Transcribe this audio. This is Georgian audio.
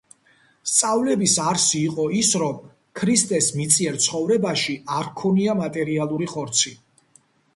სწავლების არსი იყო ის, რომ ქრისტეს მიწიერ ცხოვრებაში არ ჰქონია მატერიალური ხორცი.